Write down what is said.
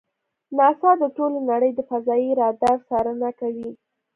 ناسا د ټولې نړۍ د فضایي رادار څارنه کوي.